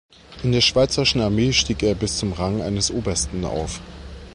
In der schweizerischen Armee stieg er bis zum Rang eines Obersten auf.